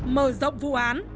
mở rộng vụ án